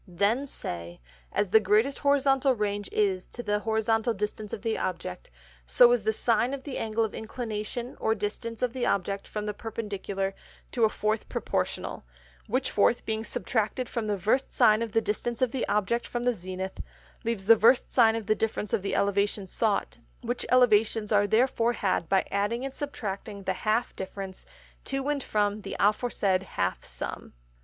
Then say, _As the greatest Horizontal Range is to the Horizontal Distance of the Object: So is the Sine of the Angle of Inclination or Distance of the Object from the Perpendicular, to a fourth Proportional; which fourth being subtracted from the Versed Sine of the Distance of the Object from the Zenith, leaves the Versed Sine of the Difference of the Elevations sought; which Elevations are therefore had by adding and subtracting the half Difference to and from the aforesaid half Sum.